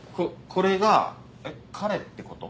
これがえっ彼ってこと？